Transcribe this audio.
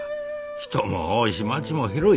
人も多いし町も広い。